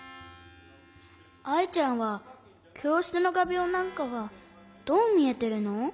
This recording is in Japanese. アイちゃんはきょうしつのがびょうなんかはどうみえてるの？